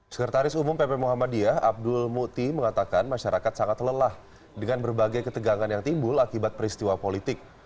sekretaris umum pp muhammadiyah abdul muti mengatakan masyarakat sangat lelah dengan berbagai ketegangan yang timbul akibat peristiwa politik